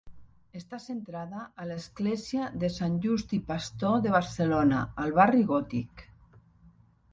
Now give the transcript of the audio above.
Està centrada a l'Església dels Sants Just i Pastor de Barcelona, al barri gòtic.